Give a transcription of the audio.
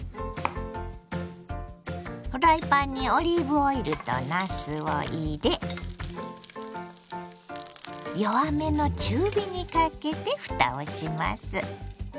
フライパンにオリーブオイルとなすを入れ弱めの中火にかけてふたをします。